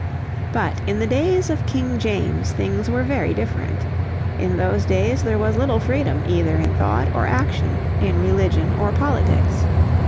But in the days of King James things were very different. In those days there was little freedom either in thought or action, in religion or politics.